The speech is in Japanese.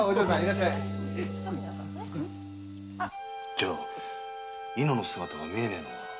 じゃあ猪之の姿が見えないのは。